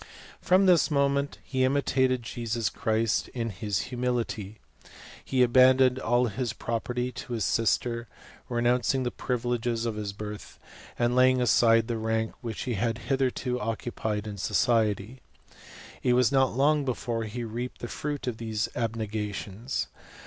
From this moment he imitated Jesus Christ, in his humility. He abandoned all his property to his sister, renouncing the privileges of his birth, and laying aside the : rank which he had hitherto occupied in society. ■ It was not long before he reaped the fruit of these abnega tions.